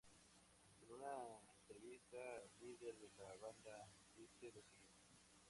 En una entrevista al líder de la banda dice lo siguiente.